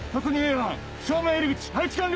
班正面入り口配置完了！